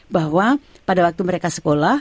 bahwa pada waktu mereka sekolah